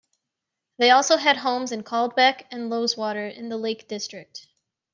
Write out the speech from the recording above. They also had homes in Caldbeck and Loweswater in the Lake District.